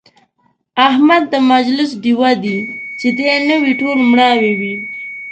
احمد د مجلس ډېوه دی، چې دی نه وي ټول مړاوي وي.